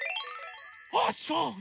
あそう！